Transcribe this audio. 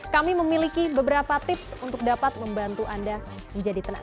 kami memiliki beberapa tips untuk dapat membantu anda menjadi tenang